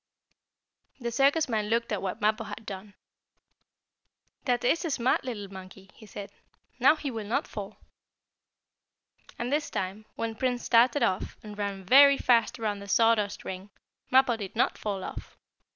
The circus man looked at what Mappo had done. "That is a smart little monkey," he said. "Now he will not fall." And this time, when Prince started off, and ran very fast around the sawdust ring, Mappo did not fall off.